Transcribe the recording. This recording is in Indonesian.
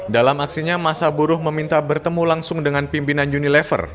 dalam aksinya masa buruh meminta bertemu langsung dengan pimpinan unilever